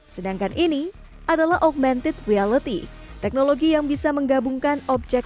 sedangkan ini adalah augmented reality teknologi yang bisa menggabungkan objek